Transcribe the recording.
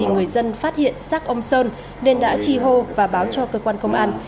người dân phát hiện xác ông sơn nên đã chi hô và báo cho cơ quan công an